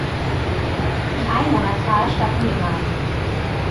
Die Einwohnerzahl stagniert nahezu.